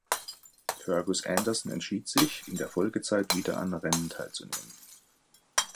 Fergus Anderson entschied sich, in der Folgezeit wieder an Rennen teilzunehmen.